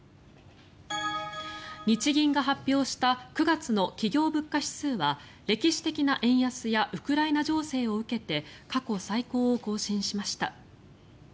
日銀が発表した９月の企業物価指数は歴史的な円安やウクライナ情勢を受けて過去最高を更新しました。